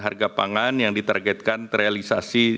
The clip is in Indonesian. tak ada yang duit lagi